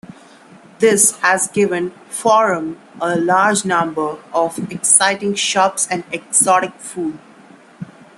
This has given Farum a large number of exciting shops and exotic food.